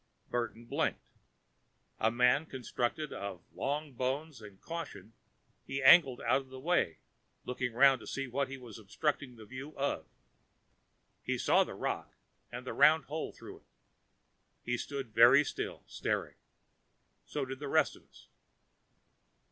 Burton blinked. A man constructed of long bones and caution, he angled out of the way, looking around to see what he was obstructing view of. He saw the rock and the round hole through it. He stood very still, staring. So did the rest of us.